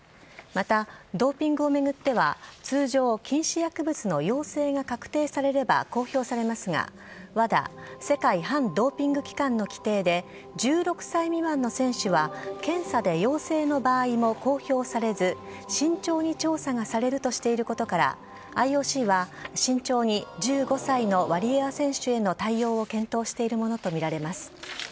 また、ドーピングを巡っては通常、禁止薬物の陽性が確定されれば公表されますがＷＡＤＡ＝世界反ドーピング機関の規定で１６歳未満の選手は検査で陽性の場合も公表されず慎重に調査がされるとしていることからＩＯＣは、慎重に１５歳のワリエワ選手への対応を検討しているものとみられます。